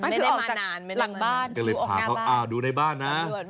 ไม่ได้มานานก็เลยพาเขานึกว่าดูในบ้านนะ